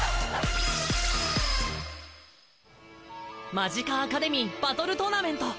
マジカアカデミー・バトルトーナメント！